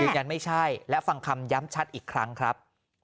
ยังไม่ใช่และฟังคำย้ำชัดอีกครั้งครับ